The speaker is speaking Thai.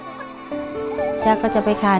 พี่น้องของหนูก็ช่วยย่าทำงานค่ะ